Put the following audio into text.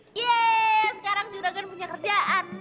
yeay sekarang juragan punya kerjaan